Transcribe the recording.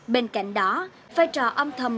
bên cạnh đó vai trò âm thầm